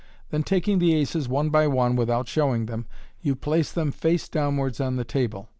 Then taking the aces one by one (without showing them) you place them face downwards on the table.